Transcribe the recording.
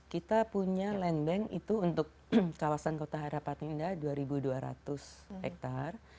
kita punya land bank itu untuk kawasan kota harapan indah dua dua ratus hektare